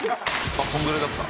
あっこのぐらいだった。